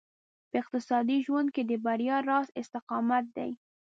په اقتصادي ژوند کې د بريا راز استقامت دی.